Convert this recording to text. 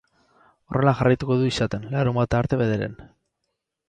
Horrela jarraituko du izaten, larunbata arte bederen.